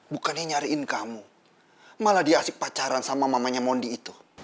bukannya nyariin kamu malah dia asik pacaran sama mamanya mondi itu